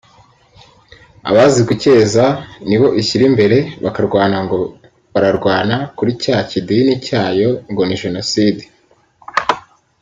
abazi gucyeza ni bo ishyira imbere bakarwana ngo bararwana kuri cya kidini cyayo ngo ni jenoside